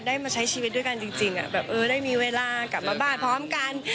มาใช้ชีวิตด้วยกันจริงแบบเออได้มีเวลากลับมาบ้านพร้อมกัน